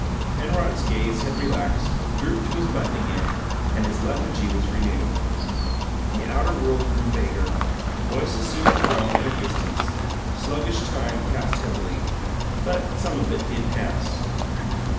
Penrod's gaze had relaxed, drooped to his button again, and his lethargy was renewed. The outer world grew vaguer; voices seemed to drone at a distance; sluggish time passed heavily but some of it did pass.